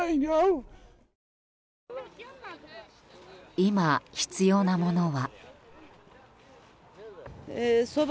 今、必要なものは。